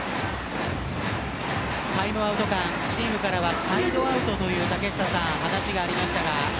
タイムアウト間チームからはサイドアウトという話がありました。